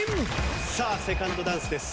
さあセカンドダンスです。